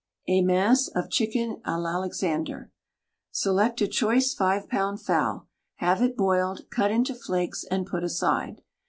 EMINCE OF CHICKEN A L'ALEXANDER Select a choice five pound fowl, have it boiled, cut into flakes and put aside.